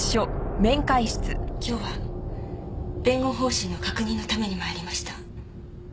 今日は弁護方針の確認のために参りました。